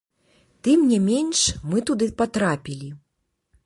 Тым не менш, мы туды патрапілі.